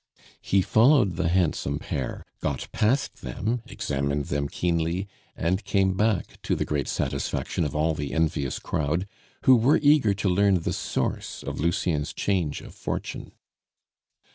He followed the handsome pair, got past them, examined them keenly, and came back, to the great satisfaction of all the envious crowd, who were eager to learn the source of Lucien's change of fortune.